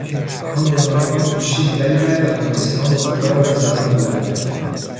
آن گناهکار کوشید ولی نتوانست نام خدا را به زبان بیاورد.